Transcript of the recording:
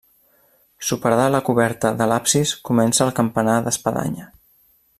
Superada la coberta de l'absis comença el campanar d'espadanya.